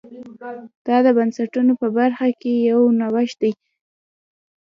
دا د بنسټونو په برخه کې یو نوښت دی